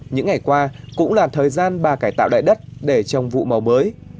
những ngày qua cũng là thời gian bà cải tạo lại đất để trồng vụ màu mới